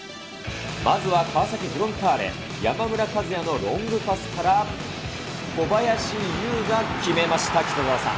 まずは川崎フロンターレ、山村和也のロングパスから小林悠が決めました、北澤さん。